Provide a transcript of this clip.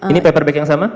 ini paperback yang sama